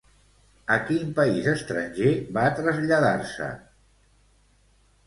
A quin país estranger va traslladar-se?